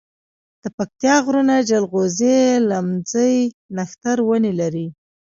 دپکتيا غرونه جلغوزي، لمنځی، نښتر ونی لری